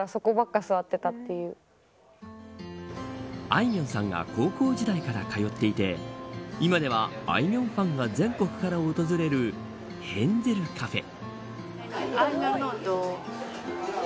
あいみょんさんが高校時代から通っていて今では、あいみょんファンが全国から訪れるヘンゼルカフェ。